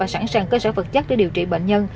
rằng cơ sở vật chất để điều trị bệnh nhân